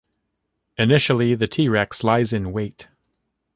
Initially the "T. rex" lies in wait.